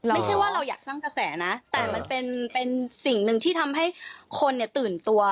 ไม่ใช่ว่าเราอยากสร้างกระแสนะแต่มันเป็นสิ่งหนึ่งที่ทำให้คนตื่นตัว